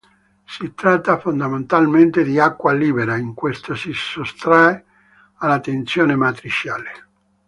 Si tratta fondamentalmente di "acqua libera", in quanto si sottrae alla tensione matriciale.